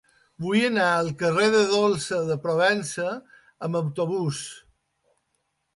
Vull anar al carrer de Dolça de Provença amb autobús.